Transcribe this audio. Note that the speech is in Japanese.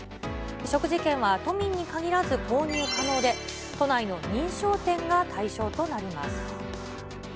食事券は都民に限らず購入可能で、都内の認証店が対象となります。